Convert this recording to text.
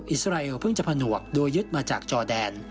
อิสราเอลเพิ่งจะผนวกโดยยึดมาจากจอแดน